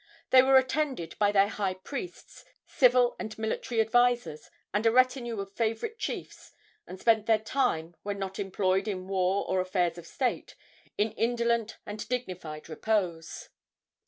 They were attended by their high priests, civil and military advisers, and a retinue of favorite chiefs, and spent their time, when not employed in war or affairs of state, in indolent and dignified repose.